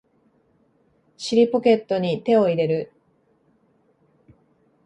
尻ポケットに手を入れる